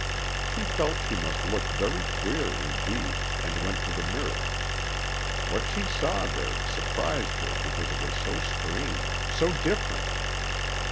She felt she must look very queer, indeed, and went to the mirror. What she saw there surprised her because it was so strange, so different.